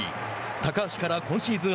高橋から今シーズン